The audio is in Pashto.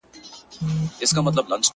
افسوس كوتر نه دى چي څوك يې پـټ كړي ـ